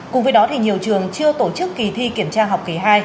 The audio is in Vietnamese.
cùng với đó nhiều trường chưa tổ chức kỳ thi kiểm tra học kỳ hai